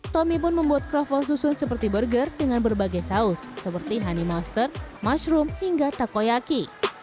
tommy pun membuat kroffel susun seperti burger dengan berbagai saus seperti honey monster mushroom hingga takoyaki